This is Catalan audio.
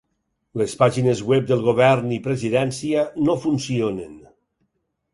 Les pàgines web del govern i presidència no funcionen.